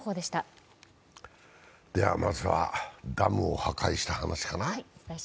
では、まずはダムを破壊した話かな。